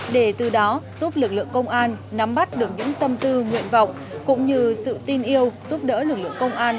để từ đó giúp lực lượng công an nắm bắt được những tâm tư nguyện vọng cũng như sự tin yêu giúp đỡ lực lượng công an